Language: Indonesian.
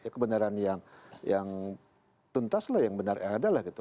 kebenaran yang tuntas lah yang benar yang ada lah gitu